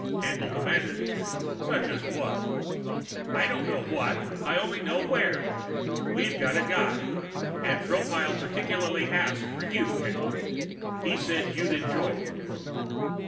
Haendl demanded: "Such as what?" "I don't know what. I only know where. We've got a guide. And Tropile particularly asked for you, Haendl. He said you'd enjoy it."